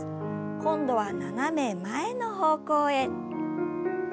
今度は斜め前の方向へ。